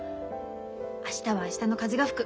「明日は明日の風が吹く。